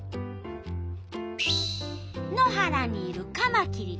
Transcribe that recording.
野原にいるカマキリ。